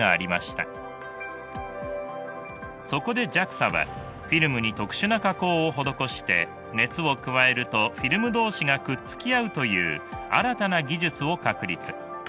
そこでＪＡＸＡはフィルムに特殊な加工を施して熱を加えるとフィルム同士がくっつき合うという新たな技術を確立。